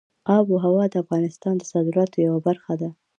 آب وهوا د افغانستان د صادراتو یوه برخه ده.